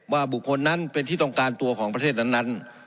บุคคลนั้นเป็นที่ต้องการตัวของประเทศนั้น